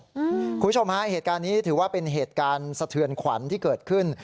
คุณผู้ชมฮะเหตุการณ์นี้ถือว่าเป็นเหตุการณ์สะเทือนขวัญที่เกิดขึ้น